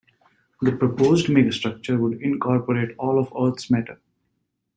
The proposed megastructure would incorporate all of Earth's matter.